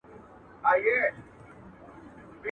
یو لوی مرض دی لویه وبا ده.